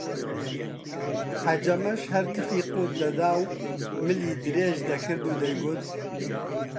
حەجەمەش هەر تفی قووت دەدا و ملی درێژ دەکرد و دەیگوت: